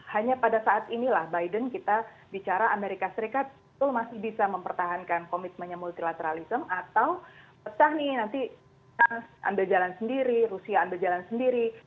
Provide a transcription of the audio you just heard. hanya pada saat inilah biden kita bicara amerika serikat itu masih bisa mempertahankan komitmennya multilateralism atau pecah nih nanti ambil jalan sendiri rusia ambil jalan sendiri